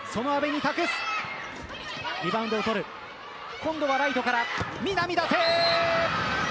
今度はライトから南舘。